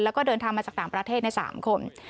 แล้วก็เดินทางมาจากต่างประเทศใน๓คน